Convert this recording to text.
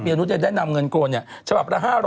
พี่หนุ่มจะแนะนำเงินโคลนฉบับละ๕๐๐